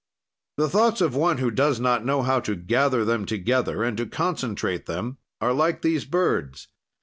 "The thoughts of one who does not know how to gather them together and to concentrate them are like these birds.